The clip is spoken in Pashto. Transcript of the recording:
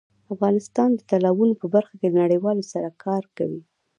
افغانستان د تالابونو په برخه کې له نړیوالو سره کار کوي.